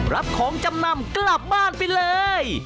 รับของจำนำกลับบ้านไปเลย